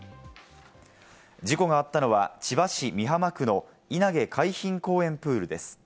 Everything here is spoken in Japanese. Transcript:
事故があったのは千葉市美浜区の稲毛海浜公園プールです。